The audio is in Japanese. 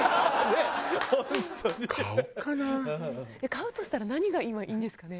買うとしたら何が今いいんですかね？